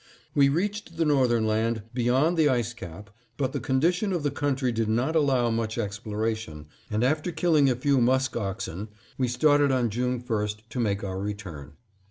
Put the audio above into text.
We reached the northern land beyond the ice cap, but the condition of the country did not allow much exploration, and after killing a few musk oxen we started on June 1 to make our return.